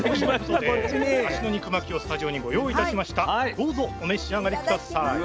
どうぞお召し上がり下さい。